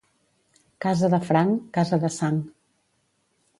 Casa de franc, casa de sang.